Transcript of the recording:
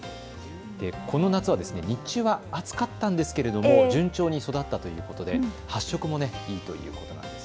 この夏は日中は暑かったんですが順調に育ったということで発色もいいということなんです。